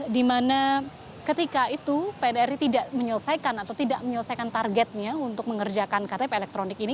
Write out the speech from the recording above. dimana ketika itu pnri tidak menyelesaikan targetnya untuk mengerjakan ktp elektronik ini